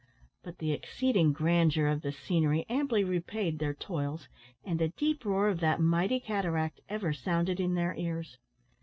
But the exceeding grandeur of the scenery amply repaid their toils, and the deep roar of that mighty cataract ever sounded in their ears.